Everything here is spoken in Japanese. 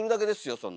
そんな。